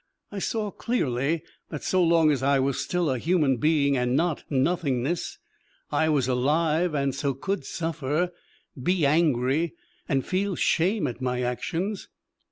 I saw clearly that so long as I was still a human being and not nothingness, I was alive and so could suffer, be angry and feel shame at my actions.